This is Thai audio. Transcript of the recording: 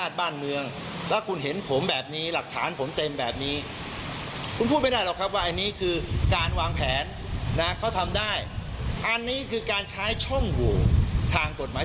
อันนี้คือการใช้ช่องโหวทางกฎหมาย